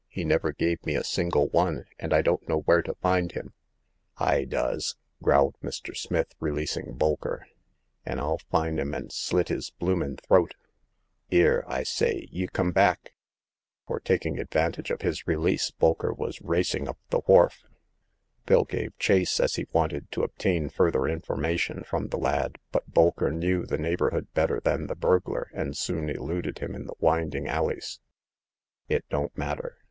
He never gave me a single one ; and I don't know where to find him." I does," growled Mr. Smith, releasing Bol ker, an' I'll fin' *im and slit his bloomin' throat. 'Ere ! I say, y' come back !" for, taking advan The Seventh Customer. 195 tage of his release, Bolkcr was racing up the wharf. Bill gave chase, as he wanted to obtain further information from the lad ; but Bolker knew the neighborhood better than the burglar, and soon eluded him in the winding alleys. It don't matter